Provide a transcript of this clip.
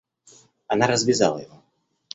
Она развязала его.